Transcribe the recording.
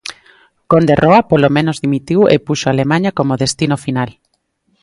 Conde Roa, polo menos, dimitiu e puxo Alemaña como destino final.